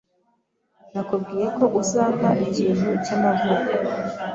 Nakubwiye ko azampa ikintu cyamavuko.